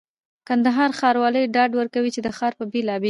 کندهار ښاروالي ډاډ ورکوي چي د ښار د بېلابېلو